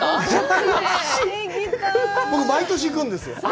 僕、毎年行くんですよ。